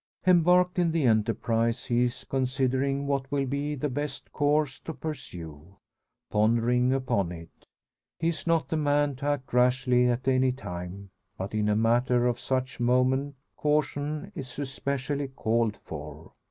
Embarked in the enterprise, he is considering what will be the best course to pursue pondering upon it. He is not the man to act rashly at any time, but in a matter of such moment caution is especially called for.